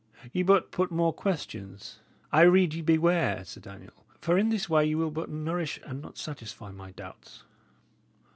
Ye but put more questions. I rede ye be ware, Sir Daniel; for in this way ye will but nourish and not satisfy my doubts."